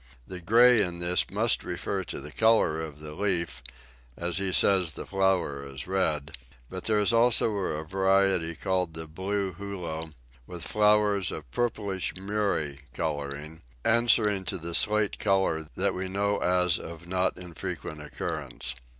The "gray" in this must refer to the colour of the leaf, as he says the flower is red; but there is also a variety called the "blew Hulo," with flowers of a "purplish murrey" colouring, answering to the slate colour that we know as of not unfrequent occurrence.